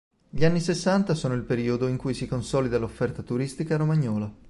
Gli anni sessanta sono il periodo in cui si consolida l'offerta turistica romagnola.